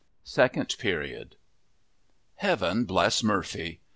SECOND PERIOD Heaven bless Murphy!